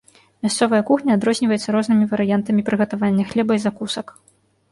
Мясцовая кухня адрозніваецца рознымі варыянтамі прыгатавання хлеба і закусак.